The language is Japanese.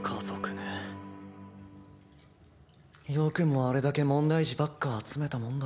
よくもあれだけ問題児ばっか集めたもんだ。